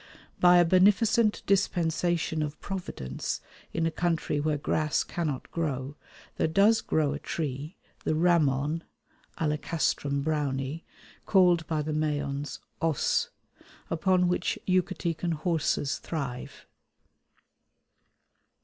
By a beneficent dispensation of Providence in a country where grass cannot grow, there does grow a tree, the ramon (Alicastrum Brownei), called by the Mayans ŏs, upon which Yucatecan horses thrive.